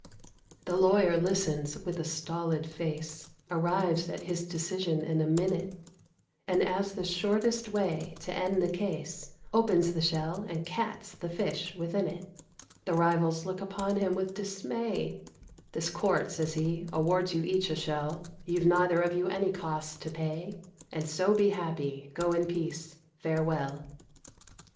The lawyer listens with a stolid face, Arrives at his decision in a minute; And, as the shortest way to end the case, Opens the shell and cats the fish within it. The rivals look upon him with dismay: "This Court," says he, "awards you each a shell; You've neither of you any costs to pay, And so be happy. Go in peace. Farewell!"